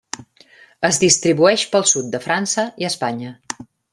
Es distribueix pel sud de França i Espanya.